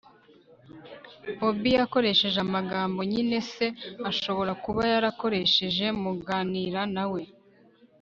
obi yakoresheje amagambo nyine se ashobora kuba yarakoresheje muganira na we